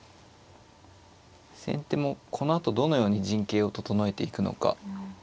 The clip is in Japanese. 先手もこのあとどのように陣形を整えていくのか。